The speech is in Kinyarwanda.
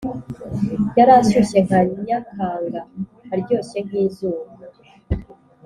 yari ashyushye nka nyakanga, aryoshye nk'izuba